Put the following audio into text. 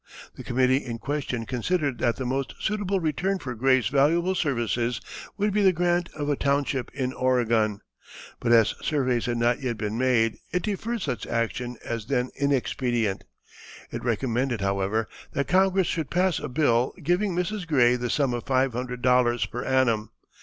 The committee in question considered that the most suitable return for Gray's valuable services would be the grant of a township in Oregon, but as surveys had not yet been made it deferred such action as then inexpedient. It recommended, however, that Congress should pass a bill giving Mrs. Gray the sum of five hundred dollars per annum.